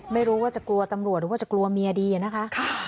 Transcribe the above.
ไม่รู้ว่าจะกลัวตำรวจหรือว่าจะกลัวเมียดีนะคะ